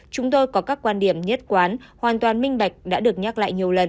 chúng tôi có các quan điểm nhất quán hoàn toàn minh bạch đã được nhắc lại nhiều lần